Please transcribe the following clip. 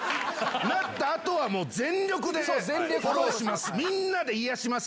なったあとはもう全力でフォローします。